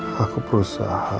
saya bekerja suap